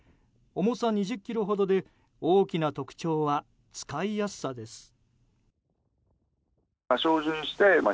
重さ２０ｋｇほどで大きな特徴は使いやすさです。